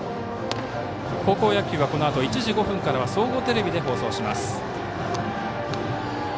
高校野球はこのあと１時５分から総合テレビで放送します。